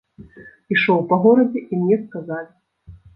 Ішоў па горадзе, і мне сказалі.